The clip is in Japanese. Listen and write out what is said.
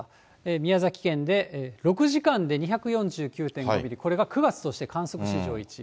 宮崎県で６時間で２４９．５ミリ、これが９月として観測史上１位。